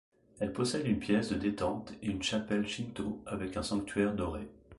Elle possède une pièce de détente et une chapelle shinto avec un sanctuaire doré.